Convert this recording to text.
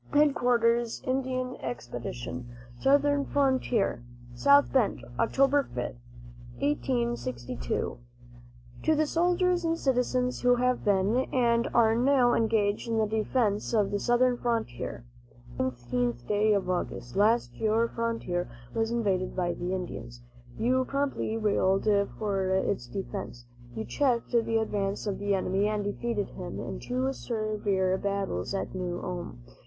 "HEADQUARTERS INDIAN EXPEDITION SOUTHERN FRONTIER, "SOUTH BEND, October 5, 1862. "To the Soldiers and Citizens who have been, and are now engaged in the defense of the Southern Frontier: "On the eighteenth day of August last your frontier was invaded by the Indians. You promptly rallied for its defense. You checked the advance of the enemy and defeated him in two severe battles at New Ulm.